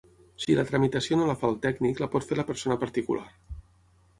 Si la tramitació no la fa el tècnic, la pot fer la persona particular.